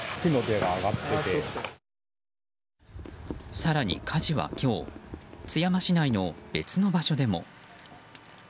更に、火事は今日津山市内の別の場所でも。